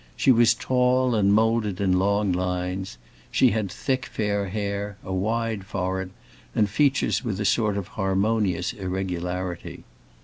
She was tall and moulded in long lines; she had thick fair hair, a wide forehead, and features with a sort of harmonious irregularity.